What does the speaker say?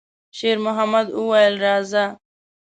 شېرمحمد وویل: «راځه!»